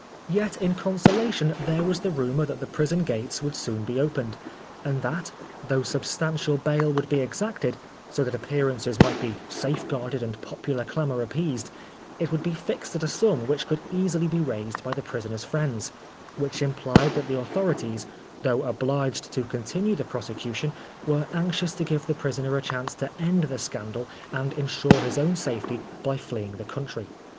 Yet, in consolation, there was the rumour that the prison gates would soon be opened, and that, though substantial bail would be exacted, so that appearances might be safe guarded and popular clamour appeased, it would be fixed at a sum which could easily be raised by the prisoner's friends, which implied that the authorities, though obliged to continue the prosecution, were anxious to give the prisoner a chance to end the scandal and ensure his own safety by fleeing the country.